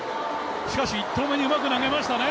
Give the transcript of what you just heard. しかし１投目にうまく投げましたね。